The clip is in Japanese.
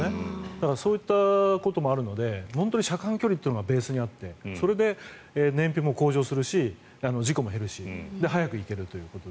だからそういったこともあるので本当に車間距離がベースにあってそれで燃費も向上するし事故も減るし早く行けるということで。